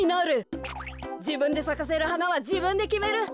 じぶんでさかせるはなはじぶんできめる。